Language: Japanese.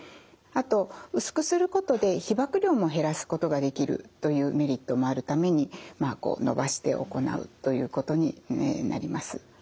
あと薄くすることで被ばく量も減らすことができるというメリットもあるためにのばして行うということになります。